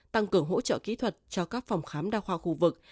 tăng cường hỗ trợ kỹ thuật cho các phòng khám đa khoa khu vực